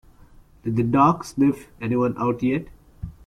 Did the dog sniff anyone out yet?